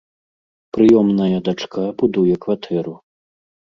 Прыёмная дачка будуе кватэру.